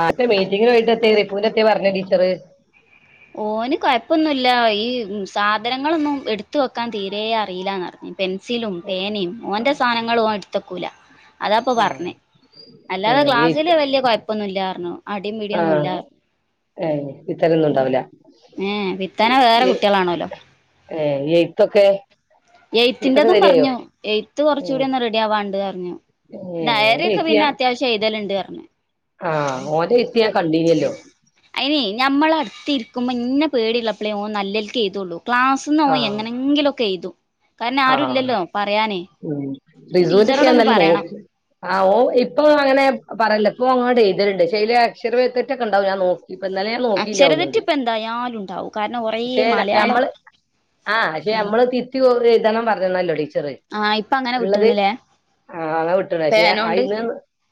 ആദ്യ മീറ്റിങ്ങിന് പോയിട്ട് [unintelligible] എത്തി പറഞ്ഞ് ടീച്ചറ് ഓന് കൊഴപ്പൊന്നു ഇല്ല ല്ല ഈ സാധനങ്ങളൊന്നും എടുത്ത വെക്കാൻ തീരെേ അറിയില്ലന്ന്റിഞ്ഞ് പെൻസിലും പേനയും ഓന്റെ സാധനങ്ങളും ഓൻ എടുത്തക്കൂല അതപ്പൊ ആ പറഞ്ഞേ ഏ, അല്ലാതെ ഈ ക്ലാസ്സില് വലിയ കുഴപ്പൊന്നുമില്ലാറഞ്ഞു അടി പിടിയൊന്നും ഇല്ല ഇത്തരൊന്നുംണ്ടാവില്ല വിത്തന വേറെ ഏ കുട്ടികളാണല്ലോ എയ്ത്തൊക്കെ എയ്ത്തൊക്കെ എയ്ത്തിൻ്റതും ശരിയായോ പറഞ്ഞു എയ്ത്ത് ഉം. കുറച്ചുകൂടി ഒന്ന് റെഡി ആവാണ്ട് പറഞ്ഞു ഏ, ഓന്റെ ഡയറിക്കെ എയ്ത്ത് പിന്നെ ഞാൻ അത്യാവശ്യം എഴതലുണ്ട് പറഞ്ഞേ കണ്ടീനിയല്ലോ ഞമ്മള അടുത്ത് ഇരിക്കുമ്പോൾ ഇന്നെ പേടിയുള്ളപ്പോഴേഓ നല്ലേരിക്കക്ക് ചെയ്തുകള്ളൂ ആ ക്ലാസ്ന്ന്ോയി എങ്ങനെങ്കിലൊക്കെ ചെയ്തു കാരണം ആരുല്ലല്ലോ പറയാ റി സൂന്റെ പ്പ നല്ല പറയണം നോക്കി ആ ഓ ഇപ്പൊ അങ്ങനെ പറയല്ല അപ്പോ അങ്ങട്ട എഴുത്തലുണ്ട് ചില അക്ഷരതെറ്റൊക്കണ്ടാകും ഞൻ നോക്കും ഇപ്പൊ ഇന്നലെ ഞാൻ നോക്കിയില്ല അക്ഷരതെറ്റ് തോന്നുണ്ട് ഇപ്പ എന്തായാലും ഉണ്ടാവും കാരണം കൊറേ പക്ഷേ മലയാളം നമ്മള് ആഹ് പക്ഷെ നമ്മള് തിരുത്തി എഴുതണം പറഞ്ഞുന്നല്ലോടീ ആ ഇപ്പ അങ്ങനെ വിട്ടീണല്ലേ ആഹ്എന്നാ വിട്ടോളി അ ഇന്ന്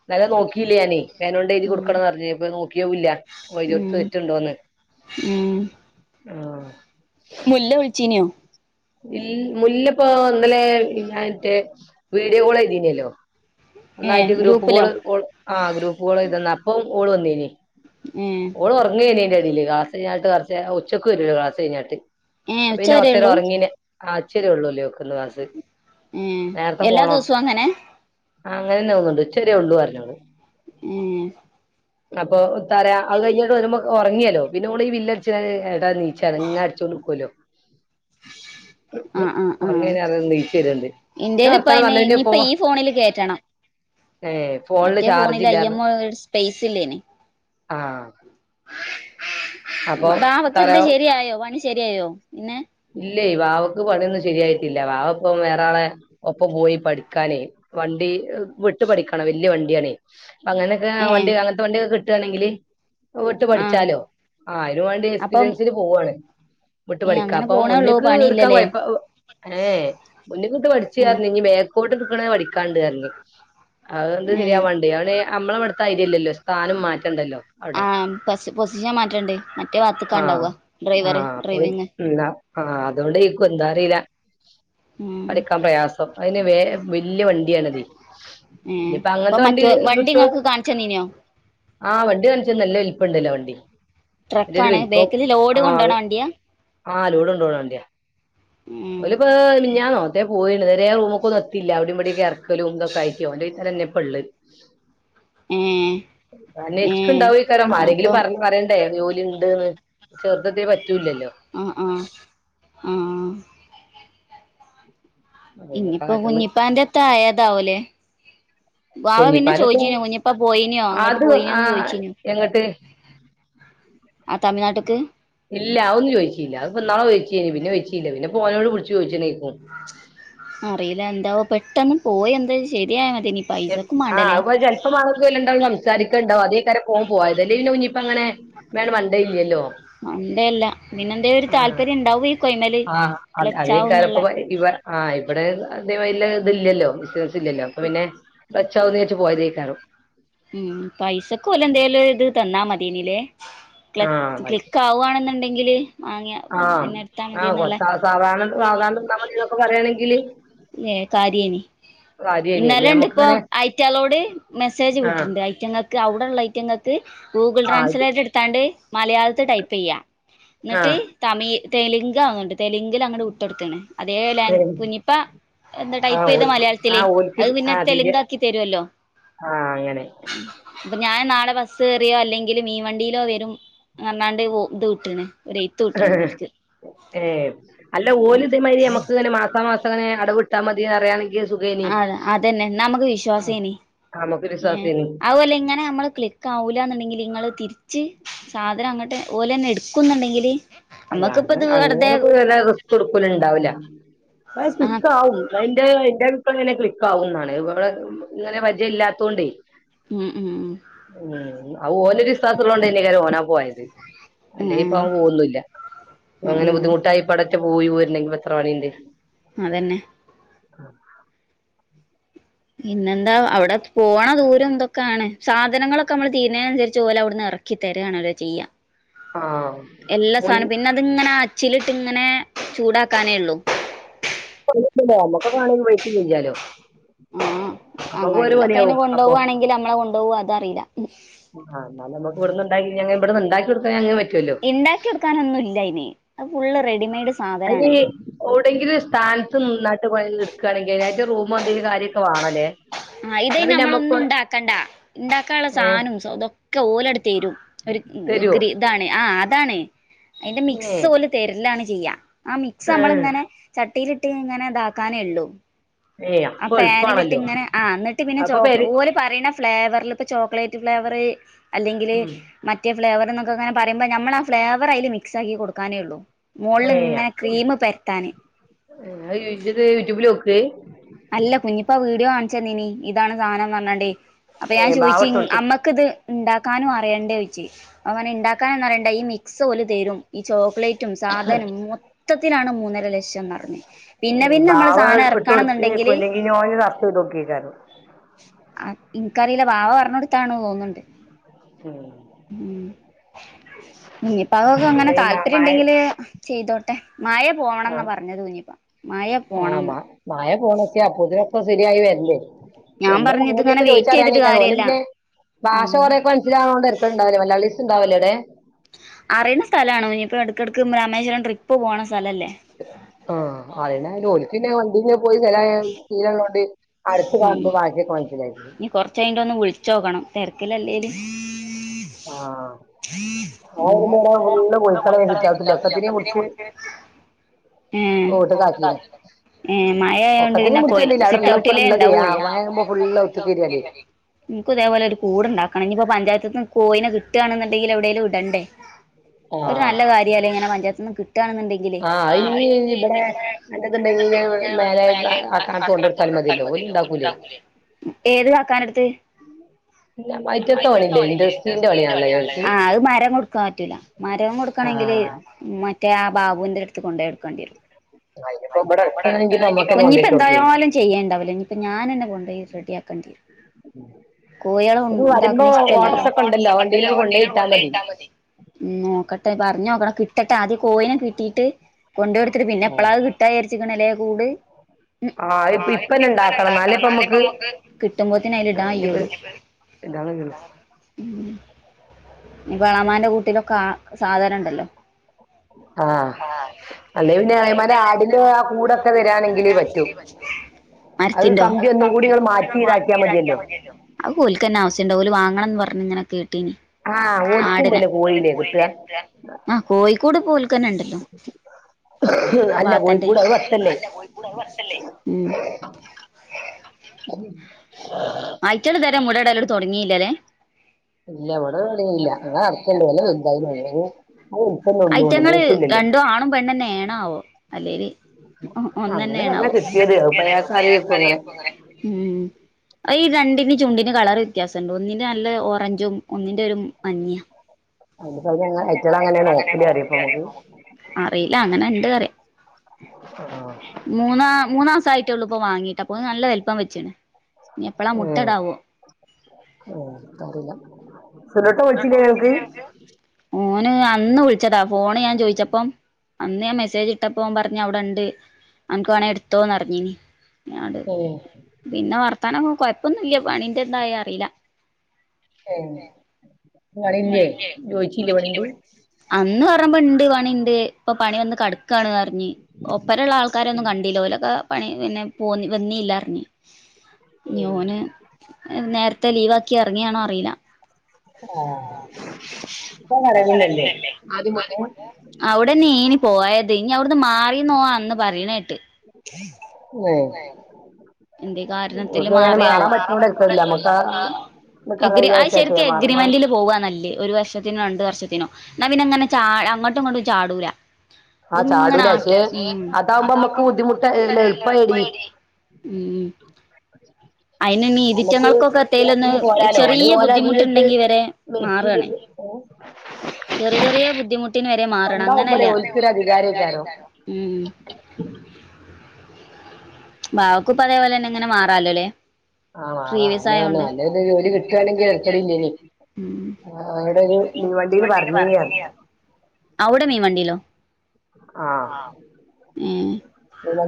ഇന്നലെ നോക്കിയില്യ ഞാന്. പേനണ്ട് ഉം എഴുതികൊടുക്കണം പറഞ് ഇപ്പൊ നോക്കിയോ ല്യ ഓൾ എഴുതി വെച്ച്ടോ ന് [inaudible] മും ആാാ മുല്ല വിളിച്ചീനിയോ ഇ മുല്ലപ്പ ഇ ന്നലെ ഞറ്റേ വീഡിയോ കോൾ എഴുതിനിയല്ലോ ഏഹ് ഒന്നായിട്ട് ഗ്രൂപ്പിലോ ഗ്രൂപ്പ്‌കോള് കൊള് ആഹ ഗ്രൂപ്പുകോളു ഇതന്നപ്പം ഓള് വന്നേനി ഏഹ് ഓള് ഉറങ്ങനീ അ ക്ാസ് കിഞ്ഞിട്ട് കുറച്ച ഉച്ചക്കക്ക് വല്ല ക്ലാസ് കിഞ്ഞിട്ട് ഏഹ് അപ്പ പിന്നെ ഉച്ചവരേ കുറച്ച നേ ഉള്ളൂ ഉറങ്ങനെ ആ ഇച്ചിരി യൊള്ളോലിയോ ക്ലാസ്സ് ഏഹ് നേരത്തെ എല്ലാ പോണോ ദിവസവും അങ്ങനെ ആ് അങ്ങന ന്ന തോന്നുണ്ട് ഉച്ച രെ ഉള്ളൂ പറഞ്ഞോള് മ്മ് അപ്പൊ താര അത് കഴിഞ്ഞിട്ട് വരുോ ഉറങ്ങിയല്ലോ പിന്നെ ഓള് ഈ വില്ലട ഇപ്പൊ എനിച്ചേ ള്ളൂ ഇങ്ങനെ അടിച്ചോ നിക്കലോ ഉറങ്ങിയ ഒരാള് നീച്ചു വരുണ്ട് എന്റേല് ഇപ്പ ഇനി ഇനിയിപ്പ ഈ ഫോണില് കേറ്റണം ഏ മറ്റേ ചാർജ് ഫോണില് ഇല്ലായിരുന്നു ഐഎംഒ സ്പേസ് ഇല്ലേനി ആ അപ്പൊ വാവക്ക് തറ ഇത് ശരിയായോ പണി ശരിയായോ ഇല്ല വാവക്ക് പണിയൊന്നും ശരിയായിട്ടില്ല വാവ ഇപ്പം വേറെളെ ഒപ്പം പോയി പഠിക്കാനേ വണ്ടി വിട്ടു പഠിക്കണം വലിയ വണ്ടിയാണെ അങ്ങനെയൊക്കെ ഏഹ് വണ്ടി അങ്ങനത്തെ വണ്ടി കെ കിട്ടാണ്ണെങ്കില് വിട്ട് ആഹ് പഠിച്ചാലോ ആ അയിന് വേണ്ടി അപ്പം എക്സ്പീരിയൻസിന് പോവാണ് വിട്ട് ഏ പഠിക്ക അങ്ങനെ അപ്പൊ പോണേള്ളൂ മുന്ന്ക്ക് എടുക്കാൻ പണിയില്ലല്ലേ കുഴപ്പ ഏ മുന്ന്ക്ട് പഠിച്ച് ഉം ർഞ്ഞ് ഇഞ്ഞ് മേ പോട്ട് ഇട്ക്ക്ണെ പടിക്കാണ്ട് പറഞ്ഞ് അതുകൊണ്ട് ഉം ശരിയാണ്ട് അവനെ അമ്മളവട്ത്തെ മാതിരിയല്ലലോ സ്ഥാനം മാറ്റേണ്ടല്ലോ ആഹ് പ സ് പൊസിഷൻ മാറ്റണ്ട് മറ്റേ ഭാഗത്ത്‌ കാ ആഹ് ഉണ്ടാവാ ഡ്രൈവർ ഡ്രൈവിങ് ആ അതുകൊണ്ട് ഇക്ക് ഒന്നും അറിയില്ല ഉം പഠി ക്കാ പ്രയാസം അതിന് വേ വലിയ വണ്ടിയാ ണത് ഏ ഇനിയിപ്പോ ഇപ്പൊ അങ്ങനത്തെ വണ്ടി മറ്റേ കിട്ടോ ഇങ്ങക്ക് കാണിച്ചന്നീനോ ആ വണ്ടി ന നല്ല വലിപ്പം ഇണ്ടല്ലോ ആ വണ്ടി ട്രക്ക് വല്യൊരു ആണേ ബേക്കില് ലോഡ് കൊണ്ടോണ വണ്ടിയാ ആലോഡ് കൊണ്ടോണ വണ്ടിയ ഉം ഒലിപ്പോ മിനിഞാന്നോ റ്റൊ പോയിള്ളു ഇതേ റൂമുക്കൊന്നും എത്തീല അവിടെ ഇവിടെ കെ ഇറക്കലും ഇതൊക്കെ ആയി യ്യോ ഓന്റെ വെയ്ത്തോലെന്നെ ഇപ്പൊ ഇള്ളെ ഏ ഏ അന്വേഷിക്ക്ണ് ണ്ടാവൈക്കാരം ആ ആരെങ്കിലും അപ്പം പറഞ്ഞു പറയണ്ടേ ജോലി ണ്ട്ന്ന് ചെറ്ത് എത്തേ പ അ അ ആ പിന്നെ ഇനിയിപ്പോ കാട്ടണ് കുഞ്ഞിപ്പാന്റെതാഴെതാവോല്ലേ കുഞ്ഞിപ്പാ [unintelligible] പോയിനോ അങ്ങട്ട് അത് ആ പോയിനോന്ന് ചോയിച്ചീനോ എങ്ങോട്ട് ആ തമിഴ്നാട്ട്ക്ക് ഇല്ല അതൊന്നും ചോദിച്ചില്ല അത്പ്പന്നാളെ ചോയ്ചീനി പിന്നെ ചോയ്ച്ചീല്ല പിന്നെപ്പോനോട് വുള്ച്ച് ചോയ്ച്ചീണ് ഉം അല്ല എന്താവോ പെട്ടെന്ന് പോയെന്തേ ശരിയായ മ ആ അത് ചെല്പ് മാസത്തിൽ ഇവല് രണ്ടാളും സംസാരി ക്കെണ്ടാകും അതേക്കാരം ഇപ്പം ഓൻ പോയത് അല്ലേ പിന്നെ കുഞ്ഞ്പ്പങ്ങനെ വേണ്ട് മണ്ടലില്ലല്ലോ അങ്ങനെയല്ലേ പിന്നെന്തേം ഒരു താല്പര്യണ്ടാവേക്കും അയ്മല് ക്ലച്ചാവന്നുള്ള ആ ഇവിടെ അത്ര വല്ല്യതില്ലല്ലോ ബിസിനസില്ലല്ലോ അപ്പൊ പിന്നെ ക്ലച്ചാവുന്നിച്ച് പോയതേക്കാരം ഉം പൈസക്കോലെന്തേലൊരിത് തന്നാ മത്യേനില്ലേ ക്ലക്ക് ക്ലിക്കാവാണെന്ന്ണ്ടെങ്കില് ആ ആ ഒ സാ സാധാര സാധാരണ നിന്നാ മതീന്നൊക്കെ പറയാണെങ്കില് ഏ കര്യേനി കാര്യേനി അല്ലേ ഇന്നലണ്ട്പ്പൊ നമ്മക്കിങ്ങനെ ഐറ്റാളോട് മെസ്സേജ് ആഹ് വിട്ടിട്ടുണ്ട് ഐറ്റങ്ങ ക്ക് അവിടള്ളേറ്റങ്ങക്ക് ഗൂഗിൾ ആഹ് ഇത് ട്രാൻസ്ലേറ്റ്ട്ത്താണ്ട് മലയാളത്തിൽ ടൈപ്പെയ്യ ന്നിട്ട് ആഹ് തമിയ് തെലുങ്കാന്ന്ണ്ട് തെലുങ്കിൽ അങ്ങട്ട് വിട്ടൊട്ത്തീണ് അതേ ലാ ഏഹ് കുഞ്ഞിപ്പ എന്താ ആഹ് ടൈപ്പെയ്ത ഓൽക്ക് മലയാളത്തില് ആഹ് ഓൽക്ക് അത് ഇത് പിന്നെ ആഹ് തിരെ തെലുങ്ക് ആക്കി തരൊല്ലോ ആഹ് അങ്ങനെ പ്പൊ ഞാൻ നാളെ ബസ്സേറിയോ അല്ലെങ്കിൽ മീൻവണ്ടീലോ വരും ർഞ്ഞാണ്ട് ഒ ഇത് വിട്ടീണ് ഒരെയ്ത്ത് വിട്ടീണ് ഓൽക്ക് ഏഹ അല്ല ഓല ഇതമാതിരി നമുക്ക് ഏ ഏ അല്ല ഓല് ഇത് മാതിരി ഞമ്മക്ക്ങ്ങനെ മാസാ മാസം ങ്ങനെ അടവിട്ത്താ മതി അറയാണെങ്കിൽ ആ അതെന്നെ ന്നാ നമ്മക്ക് ആഹ് വിശ്വാസേനി നമുക്കൊരു ഏ വിശ്വാസേനി അവുല്ല ഇങ്ങനെ നമ്മള് ക്ലിക്ക് ആ വൂല്ലാന്ന്ണ്ടെങ്കില് ങ്ങള് തിരി ച്ച് സാധനം അങ്ങട്ട് ഓലെന്നെ ഇട്ക്കുന്ന്ണ്ടെങ്കിൽ അല്ലാ അങ്ങനെ അങ്ങനെപ്പൊ വല്ല്യ റിസ്ക്ക്ട്ക്കല്‌ണ്ടാവൂല്ല അത് ആഹ് റിസ്ക് ആവും ന്റെ ന്റെരഭിപ്രായം പിന്നെ ക്ലിക്കാകുന്നാണ് ഇവടെ ഇങ്ങനെ പരിജയല്ലാത്തോണ്ടേ ഉം ഉം ഉം അത് ഓലൊര് വിസ്വാസള്ളോണ്ടേനേകാരം ഓനാ പോയത് അല്ലേ ഇപ്പൊ ഉം അവൻ പോവൊന്നുല്ല അങ്ങനെ ഉം ബുദ്ധിമുട്ടായിപ്പടറ്റം പോയി പോരണെങ്കി എത്ര പണിണ്ട് [inaudible] അതന്നെ പിന്നെന്താ അവിടെ പോണ ദൂരം ദക്കാണ്. സാധനങ്ങളൊക്കെ മ്മള് തീര്ണേനന്സരിച് ഓലവ്ട്ന്ന് ഇറക്കി തരാണെല്ലൊ ചെയ്യ. ആഹ് എല്ലാ സാനും പിന്നെ അതിങ്ങനെ ചിൽട്ട് ങ്ങനെ ചൂടാക്കാനേ ഉള്ളൂ [unintelligible] മ് നമ്മക്കും ഒരു അങ്ങാടിലൊക്കെങ്ങനെ പണിയാവും കൊണ്ടോവാണെങ്കിൽ നമ്മളെ കൊണ്ടോവോ അതറീല. ആ ന്നാ നമുക്ക് ഇവിട്ന്ന് ഇണ്ടായില്ലെങ്കിൽ ഇബ്ട്ന്ന് ഇണ്ടാക്കി കൊടുക്കാ ഇങ്ങക്ക് പ ഇണ്ടാക്യൊട്ക്കാന് ഒന്നും ഇല്ല അയിന് അത് ഫുള്ള് റെഡിമെയഡ് സ അയിന് ഓൾ എന്തെങ്കിലും സ്ഥാനത് നന്നായിട്ട് എടുക്കുകയാെങ്കിൽ അയിന്റെ റൂമും [unintelligible] കാര്യക്കെ വാണല്ലേ ആ ഇത് നമ്മൾ ഒന്നും ഇണ്ടാക്കണ്ടാ ഇണ്ടാക്കാൻള്ള ഏഹ് സാധനം ദൊക്കെ ഓലാണ്ട് തരും. ഇന്ന് തരുവോ ഇൻക്ദ് ഇതാണ് ആ അതാണ് അയിന്റെ മിക്സ് ഏഹ് ഓല് തരലാണ് ചെയ്യ ആ മിക്സ് ഏഹ് നമ്മളിങ്ങനെ ച ചട്ടിയിലിട്ട് ഇങ്ങനെ ഇതാക്കാനേ ഉള്ളൂ ഏയ് ആ അപ്പൊ പാനിലിട്ട് എളുപ്പാണല്ലോ ഇങ്ങനെ ആ എന്നിട്ട് പിന്നെ ചോ അപ്പൊ പേര് ഓല് പറിണ ഫ്ലേവറില് ഇപ്പൊ ചോക്ലേറ്റ് ഫ്ലേവർ അല്ലെങ്കില് ഉം മറ്റേ ഫ്ലേവറ്ന്നൊക്കങ്ങന പറിമ്പോ നമ്മൾ ആ ഫ്ലവർ അയില് മിക്സാക്കി കൊടുക്കാനേ ഉള്ളൂ. ഏയ് മോളിലിങ്ങനെ ക്രീമ് പെര്ട്ടാന്. അത് ഇജ്ജത് യൂട്യൂബില് നോക്ക് അല്ല കുഞ്ഞിപ്പ വീഡിയോ കാണിച്ചനീനി ഇതാണ് സാനം പറഞ്ഞാണ്ട് അപ്പൊ ഞാൻ ഏഹ് ബാവ ചോയിച്ച് ഇട്ട് കൊടുത്ത് അമ്മക്ക് ഇത് ഇണ്ടാ കാനും അറിയണ്ടേ ഓച്ച് അപ്പർഞ്ഞ് ഇണ്ടാക്കാനിന്നറിയണ്ട ഈ മിക്സ് പോലെ തരും ഈ ചോക്ലേ റ്റും സാധനം മൊത്തത്തിലാണ് മൂന്നര ലക്ഷം നറഞ്ഞ് പിന്നെ പിന്നെ നമ്മള് സാധനം ഇറക്കണം ന്ന് കൊല്ലെങ്കി ഞോന് നഷ്ടം തോക്കേക്കാരും ആ ഇനികറില്ല വാവ പറഞ്ഞ് കൊടുത്താണ് തോന്നുന്നുണ്ട് ഉം ഞ്ഞിപ്പകൊക്കെ അങ്ങനെ പിന്നെ ഈ മ താല്പര്യം ഇണ്ടെങ്കില് ചെയ്തോ ആ മായ ആ പോണംന്ന് മാ മായ പോണസിയ അക്കുതിര ഇപ്പൊ ശരിയായി വരല്ലേ ഞാൻ എന്താ പറഞ്ഞ് ഇതിങ്ങനെ അങ്ങരൊക്കെ വെയിറ്റ് ചെയ്തിട്ട് ചോദിച്ചറിയാനേക്കാരം ഓല് കാര്യല്ല പിന്നെ ഭാഷ ഉം കൊറെയൊക്കെ മനസിലാവണോണ്ട് തരക്കേട്ണ്ടാവില്ല മലയാളിസ്ണ്ടാവല്ലേ ലേ അറിയുന്ന സ്ഥലാണ് ഇനിയിപ്പോ ഇടക്കിടക്ക് രാമേശ്വരം ട്രിപ്പ് പോണ സ്ഥലല്ലേ ആ അതിനാ ഓൽക്ക് പിന്നെ വണ്ടി പോയി ചലായി ശീലം ഉള്ളോണ്ട് ഉം ഞ്ഞ് കുറച്ച് കഴിഞ്ഞിട്ടൊന്ന് വിളി ച്ചോകണം തിരക്കിലല്ലേല് ആ മ് [unintelligible] ഒക്കത്തിനെയും പിടിച്ച് ഏ റോട്ട്ക്ക് ആക്കീണ് [unintelligible] ഏ മഴ ആയൊണ്ട് പിന്നെ ഒക്കത്തിനും പോയി പിടിച്ചൊന്നുമില്ല അവിടെ സിറ്റ് ഉള്ളപ്പോ ഔട്ടിലേ ഉള്ളതേ ആ ഇണ്ടാവുള്ളൂ മഴയാകുമ്പോ ഫുള്ള് ഒത്തുക്ക് വരികയല്ലേ നിനക്ക് ഇതേപോലെ ഒരു കൂട്ണ്ടാക്കണം ഇനിയിപ്പോ പഞ്ചായത്ത്ന്ന് കോയിനെ കിട്ടാണെന്നുണ്ടെങ്കിൽ എവിടേലും ഇടണ്ടേ ഒരു ആഹ് നല്ല കാര്യല്ലേ ഇങ്ങനെ പഞ്ചായത്ത്ന്ന് കിട്ടവാണെന്നുണ്ടെങ്കിലെ ആഹ് അത് ഇനി ഇവിടെ അന്റെതുണ്ടെങ്കിൽ മേലെ ആ കാലത്ത് കൊണ്ടു കൊടുത്താലും മതിയല്ലോ ഓല് ഉണ്ടാക്കൂലേ [unintelligible] ഏത് ക്കാകാ നെടുത്ത് മൈറ്റൊക്കെ പണിയില്ലേ ഇൻഡസ്ട്രീന്റെ പണിയാണല്ലേ ഇവർക്ക് ആ അത് മരം കൊടുക്കാ റ്റൂല മരം കൊടുക്കണമെങ്കില് ആഹ് മറ്റേ ആ ബാബുവിന്റെ അടുത്ത് കൊണ്ടോ ക്കേണ്ടി വരും അതിനിപ്പോ ഇവിടെ അടുത്താണെങ്കിപ്പോ അമ്മക്കന്നെ കുഞ്ഞിപ്പ കൊണ്ടോയിട്ട് കൊടുക്കേനു എന്തായാലും ചെയ്യണ്ടാവില്ലോ ഇനിയിപ്പോ ഞാനന്നെ കൊ യി റെഡി ആകേണ്ടി വരും കൊയിനെ ഉം ഇത് വരുമ്പോ ണ്ടാക്കണ ഇഷ്ടല്ലല്ല ഓട്ടർഷ ഒക്കെ ഉണ്ടല്ലോ വണ്ടിയിലങ്ങ് കൊണ്ടോയി ഇട്ടാ മതി ഉം നോക്കട്ടെ പറഞ്ഞു നോക്കണം കിട്ടട്ടെ ആദ്യം കോയിനെ കിട്ടിയിട്ട് കൊണ്ട് കൊടുത്തിട്ട് പിന്നെ എപ്പള ആഹ് അത് കി കിട്ട വിചാരിച്ച്ക്ക്ണ് ലെ കൂട് ഉം ആഹ് ഇപ്പ ഇപ്പന്നെ ഉണ്ടാക്കണം എന്നാലേ ഇപ്പ നമുക്ക് കിട്ടുമ്പോ ഇതെന്നെ അയ്ല് ഇടാ ഐയൊള്ളൂ ഇടാക്കയൊള്ളു ഇനിപ്പോ എളാമാന്റെ കുട്ടിനൊക്കാ സാധന ഇണ്ടല്ലോ ആഹ് അല്ലെ അല്ലെങ്കി അതേമാതിരി പിന്നെ ആടിന്റെ ആ എളേമാൻ്റെ കൂടൊക്കെ [unintelligible] മൂടന്നെ തരാണെങ്കിലേ പറ്റൂ വരാണെങ്കിലെ പറ്റൊള്ളൂ അത് മരത്തിന്റൊ കമ്പി ഒന്നും കൂടി നിങ്ങൾ മാറ്റി ഇതാക്കിയാ മതിയല്ലോ അഹ് ഓൽക്കന്നെ ആവശ്യ ഇണ്ടവും ഓല് വാങ്ങണം പറഞ്ഞ് ഇങ്ങനെ കേട്ടീനി ആ ആടിനെ ഓൽക്കുണ്ടല്ലോ കോഴിയില്ലേ കിട്ടുക ആഹ് കോഴിക്കൂട് ഇപ്പൊ ഓൽക്കന്നെ ഇണ്ടല്ലോ അല്ല കോയി കൂട് അ പത്തല്ലേ പത്തല്ലെ ഉം അയ്റ്റള് ഇത് വരെ മുടടല് തുടങ്ങിയില്ലല്ലേ ഇല്ല ഇവിടെ എവിടേം ഇല്ല ഇങ്ങളെ [unintelligible] ഐറ്റങ്ങള് രണ്ടും ആണും പെണ്ണന്നെണാവോ അല്ലെല് ഒ അങ്ങനെ പറഞ്ഞാൽ ഒന്നന്നെണാവോ കിട്ടിയത് അതിപ്പോ അയാൾക്ക് അറിയിക്കും അങ്ങനെ ഉം അഹ് ഈ രണ്ടിന്റിം ചുണ്ടിന്റെ കളറ് വ്യത്യാസം ഉണ്ട്. ഒന്നിന്റെ നല്ല ഓറഞ്ചും ഒന്നിന്റെ ഒരു മഞ്ഞിയാ. [unintelligible] അയ്റ്റളങ്ങനെ അറിയില്ല അങ്ങനെ ണ്ട് അറിയാ. ആ. മൂന്നാ മൂന്നാസം ആയിട്ടുള്ളൂ ഇപ്പോ വാങ്ങീട്ട്. അപ്പോത്തിന് നല്ല വലുപ്പം വെച്ച്ണ്. ഞ്ഞി എപ്പളാ ഉം. മുട്ടടാവോ [unintelligible] വിളിച്ചിട്ടില്യേയ്നോ അനക്ക് ഓന് അന്ന് വിളിച്ചതാ. ഫോണ് ഞാൻ ചോയ്ച്ചപ്പം അന്ന് ഞാൻ മെസ്സേജ് ഇട്ടപ്പോ ഓൻ പറഞ്ഞ് അവിടെണ്ട് അൻക്ക് വേണേ എടുത്തോന്നറിഞ്ഞീനി അങ്ങട് ഏ. പിന്നെ വർത്താനൊക്കെ കൊഴപ്പൊന്നുംല്ല പണീന്റെ എന്തായ് അറീല. ഏഹ് അന്ന് പറഞ്ഞപ്പോ ഇണ്ട് പണി ണ്ട് ഇപ്പൊ പണി വന്ന് കടക്കാണ് പറഞ്ഞ്. ഒപ്പര ഉള്ള ആൾക്കാരെന്നും കണ്ടില്ല ഓലൊക്കെ പണി പിന്നെ പോന്നി വന്നില്ലാർഞ്ഞ് ഞ്ഞി ഓന് നേരത്തെ ലീവാക്കി ഇറങ്ങിയാണോ അറീല ആഹ് ഇപ്പ [unintelligible] ആദ്യം [unintelligible] അവിടെന്നെയ്നി പോവാ ഇഞ്ഞി അവിടുന്ന് മാറിന്ന് ഓൻ അന്ന് പറയണേട്ട് ഏ എന്തെ കാരണത്തില് ഓക്ക് അങ്ങനെ മാറിയാവോ മാറാൻ പറ്റുന്നോണ്ടിരിക്കില്ല നമുക്ക് നിക്കാന്ന് എഗ്രി അത് വിചാരിച്ചിട്ടേ ശെരിക്കും മറന്നത് എഗ്രിമെന്റില് പോകുവാ നല്ലത് ഒരു വർഷത്തിനോ രണ്ട് വർഷത്തിനോ എന്നാ പിന്നങ്ങനെ ചാ അങ്ങ ട്ടും ഇങ്ങട്ടും ചാടൂലാ ആ ഇത്ങ്ങനെ ചാടൂല ആട്ട പക്ഷേ നമ്മുക്ക് അതാവുമ്പോ നമുക്ക് ബുദ്ധിമുട്ട് അല്ല എളുപ്പായെടി എളുപ്പായടി ഉം മ് - നമ്മക്ക് എത്തേലൊന്ന് [unintelligible] പോരാലോ ചെറിയ ഓലതിലിട്ട് ബുദ്ധിമുട്ടുണ്ടെങ്കി വരെ മേടിച്ചു മാറാണ് [unintelligible] ചെറിയ ചെറിയ ബുദ്ധിമു ട്ട്ന് വരെ മാറണം അങ്ങനല്ല സ്വന്താവുമ്പോഴേ ഓൽക്കൊരു അധികാരേക്കാരം ഉം- ബാവക്കും ഇപ്പ അതേപോലെ തന്നെ ഇങ്ങനെ മാറാലോല്ലേ? ആഹ് മാറാ പ്രീവിയസ് അങ്ങവല്ല ആയോണ്ട് നല്ല നല്ല ജോലി കിട്ടുകാണെങ്കി തരക്കെടില്ലേനി- ഉം ആഹ് അവിടെ ഒരു മിൻ വണ്ടില് പറഞ്ഞിനിയാര്ന്ന്- അവ്ടെ മീ വണ്ടിലോ ആ ആഹ് ഏഹ്-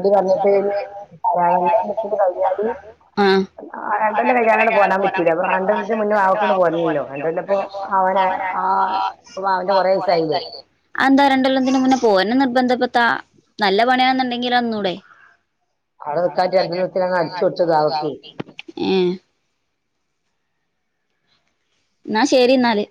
വന്നിട്ട് ഇനി [unintelligible] കഴിഞ്ഞാല് ആഹ്- ആഹ് രണ്ടല്ല രണ്ടിവസം കഴിയാനാണ് കൈയാണ്ട് പോരാൻ പറ്റൂല അപ്പൊ നിക്കൂല്ല അപ്പ രണ്ടരത്തി രണ്ടീസം മുന്നേ അവക്കൊണ്ട് വാവക്ട് പോരണല്ലോ രണ്ടല്ല ഇപ്പൊ അന്വേഷിച്ചപ്പോ അവന ആ അവരാരും ഇപ്പൊ അവന്റെ കൊറേ ദിവസമായില്ലേ എന്താ രണ്ടോല്ലതിന് മുന്നെ പോവ് തന്നെ നിർബന്ധപ്പെത്ത നല്ല പണിയാന്നുണ്ടെങ്കി പൈ അവിടെ നിൽക്കാട്ട് രണ്ടു ദിവസത്തിലാണ് അടിച്ചു കൊടുത്തത് അവക്ക് ഏഹ് എന്നാ ശരി എന്നാല്